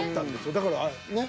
だからねっ。